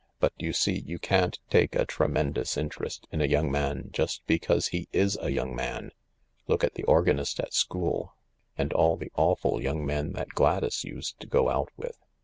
But you see you can't take a tremendous interest in a young man just because he is a young man. Look at the organist at school — and all the awful young men that Gladys used to go out with.